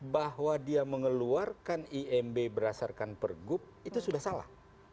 bahwa dia mengeluarkan imb berdasarkan pergub itu sudah salah